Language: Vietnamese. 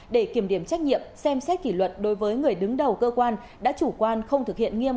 để kiểm điểm trách nhiệm xem xét kỷ luật đối với người đứng đầu cơ quan đã chủ quan không thực hiện nghiêm